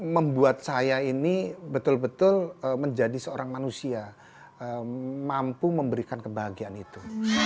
membuat saya ini betul betul menjadi seorang manusia mampu memberikan kebahagiaan itu